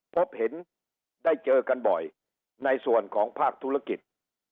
พบเห็นได้เจอกันบ่อยในส่วนของภาคธุรกิจ